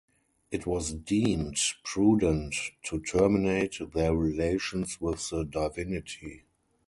It was deemed prudent to terminate their relations with the divinity.